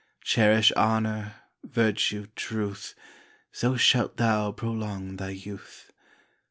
Cherish honour, virtue, truth, So shalt thou prolong thy youth.